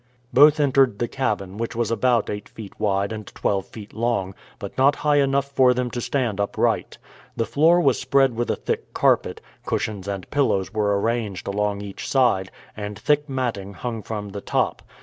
Both entered the cabin, which was about eight feet wide and twelve feet long, but not high enough for them to stand upright. The floor was spread with a thick carpet; cushions and pillows were arranged along each side, and thick matting hung from the top.